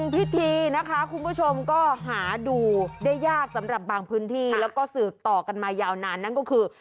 พิธีนะคะคุณผู้ชมก็หาดูได้ยากสำหรับบางพื้นที่แล้วก็สืบต่อกันมายาวนานนั่นก็คือ